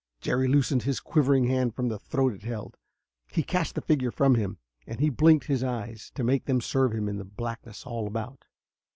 Jerry loosed his quivering hand from the throat it held. He cast the figure from him. And he blinked his eyes to make them serve him in the blackness all about.